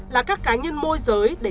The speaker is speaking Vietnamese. là các cá nhân môi giới để